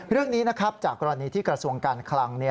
เรื่องนี้นะครับจากกรณีที่กระทรวงการคลัง